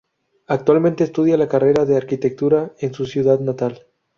Actualmente estudia la carrera de arquitectura en su ciudad natal.